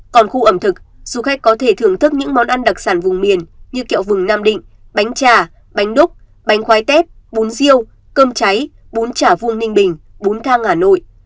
còn khu ẩm thực du khách có thể thưởng thức những món ăn đặc sản vùng miền như kẹo vừng nam định bánh trà bánh đúc bánh khoai tép bún riêu cơm cháy bún chả vuông ninh bình bốn thang hà nội